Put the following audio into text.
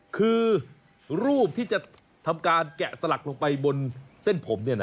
คือรูปที่จะทำการแกะสลักลงไปบนเส้นผม